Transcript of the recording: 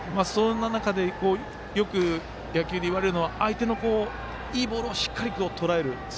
そんな中で、野球でよくいわれるのが相手のいいボールをしっかりととらえる。